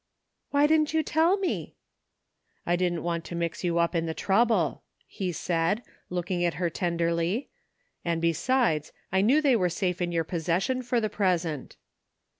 Why didn't you tell me? " I didn't want to mix you up in the trouUe," he said, looking at her tenderly, " and besides, I knew they were safe in your possession for the present."